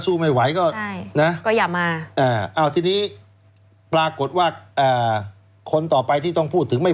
คุณมอร์นทลิฟท์ก็ครับว่ายังไง